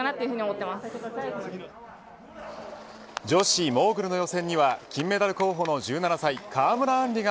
女子モーグルの予選には金メダル候補の１７歳川村あん